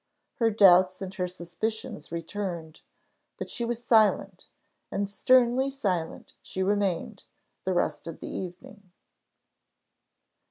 Her doubts and her suspicions returned, but she was silent; and sternly silent she remained the rest of the evening.